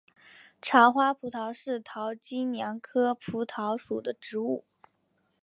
长花蒲桃是桃金娘科蒲桃属的植物。